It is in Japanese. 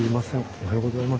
おはようございます。